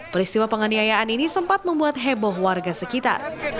peristiwa penganiayaan ini sempat membuat heboh warga sekitar